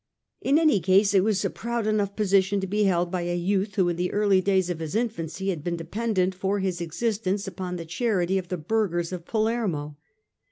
In any case it was a proud enough position to be held by a youth who, in the early days of his infancy, had been dependent for his existence upon the charity of the burghers of Palermo.